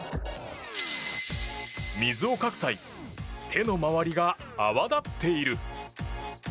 水をかく際手の周りが泡立っている。